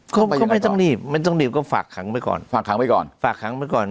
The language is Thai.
ก็ไม่ต้องรีบไม่ต้องรีบก็ฝากขังไปก่อนฝากขังไปก่อน